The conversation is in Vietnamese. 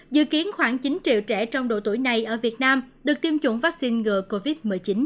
dự kiến khoảng chín triệu trẻ trong độ tuổi này ở việt nam được tiêm chủng vaccine ngừa covid một mươi chín